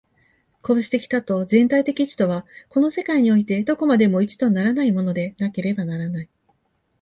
個物的多と全体的一とは、この世界においてどこまでも一とならないものでなければならない。